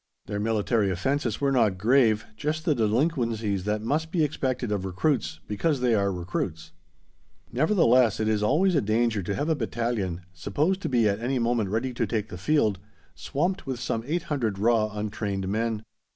Their military offences were not grave, just the delinquencies that must be expected of recruits, because they are recruits. Nevertheless, it is always a danger to have a battalion, supposed to be at any moment ready to take the field, swamped with some 800 raw untrained men.